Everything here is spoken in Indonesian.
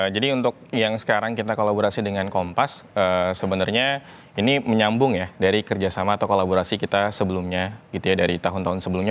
jadi untuk yang sekarang kita kolaborasi dengan kompas sebenarnya ini menyambung ya dari kerjasama atau kolaborasi kita sebelumnya gitu ya dari tahun tahun sebelumnya